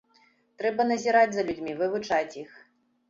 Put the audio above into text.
Трэба назіраць за людзьмі, вывучаць іх.